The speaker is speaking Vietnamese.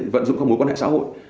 vận dụng các mối quan hệ xã hội